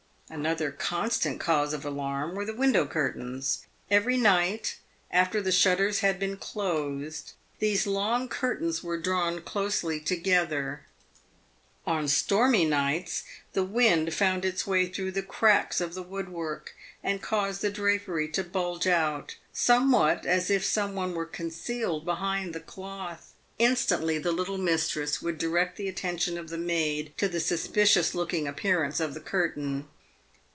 Another constant cause of alarm were the window curtains. Every night, after the shutters had been closed, these long curtains were drawn closely together. On stormy nights, the wind found its way through the cracks of the woodwork and caused the drapery to bulge PAYED WITH GOLD. 387 out, somewhat as if some one were concealed behind the cloth. In stantly the little mistress would direct the attention of the maid to the suspicious looking appearance of the curtain.